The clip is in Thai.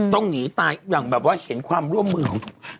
ต้องหนีตายอย่างแบบว่าเห็นความร่วมมือของทุก